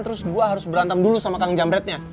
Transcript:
terus gue harus berantem dulu sama kang jamretnya